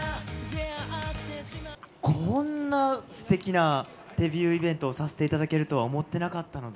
こんなすてきなデビューイベントをさせていただけるとは思ってなかったので。